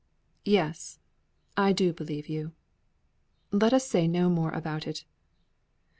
"Yes, I do believe you. Let us say no more about it.